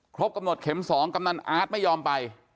ครบกำหนดเข็ม๒กำนันอาร์ตไม่ยอมไป